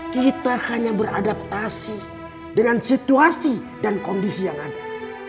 kita hanya beradaptasi dengan situasi dan kondisi yang ada